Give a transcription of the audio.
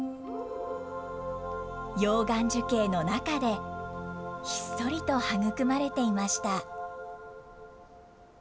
溶岩樹型の中で、ひっそりと育まれていました。